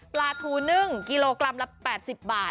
ปลาทูนึ่งกิโลกรัมละ๘๐บาท